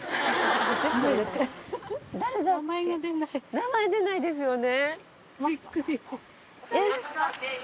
名前出ないですよね。